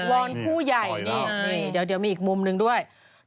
วอนผู้ใหญ่นี่เดี๋ยวมีอีกมุมหนึ่งด้วย